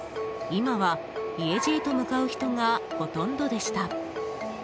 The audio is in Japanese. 今は家路へと向かう人がほとんどでした。